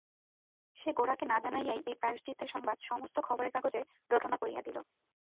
সে গোরাকে না জানাইয়াই এই প্রায়শ্চিত্তের সংবাদ সমস্ত খবরের কাগজে রটনা করিয়া দিল।